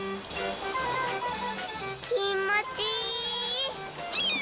きもちいい！